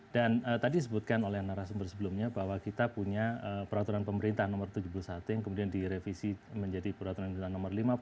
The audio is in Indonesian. dan tadi disebutkan oleh anna rasumber sebelumnya bahwa kita punya peraturan pemerintahan no tujuh puluh satu yang kemudian direvisi menjadi peraturan pemerintahan no lima puluh tujuh